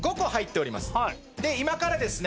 今からですね